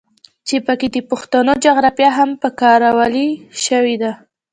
چې پکښې د پښتنو جغرافيه هم پکارولے شوې ده.